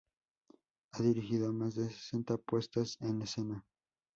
Ha dirigido más de sesenta puestas en escena.